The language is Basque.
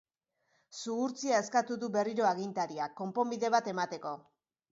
Zuhurtzia eskatu du berriro agintariak, konponbide bat emateko.